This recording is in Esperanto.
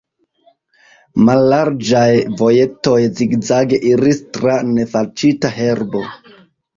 Mallarĝaj vojetoj zigzage iris tra nefalĉita herbo.